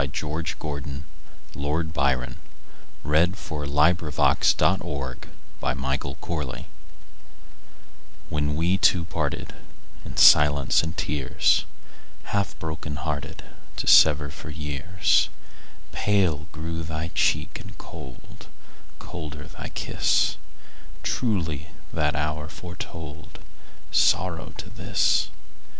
George Gordon, Lord Byron 468. When We Two Parted WHEN we two partedIn silence and tears, Half broken hearted, To sever for years, Pale grew thy cheek and cold, Colder thy kiss; Truly that hour foretoldSorrow to this!